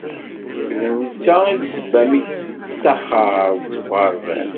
D netta i d-sebba mi tettaxer seg uɣerbaz.